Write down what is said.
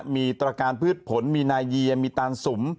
มีตรการพืชผลมีนายเยียมีตานสุม